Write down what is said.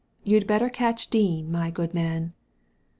*• You'd better catch Dean, my good man."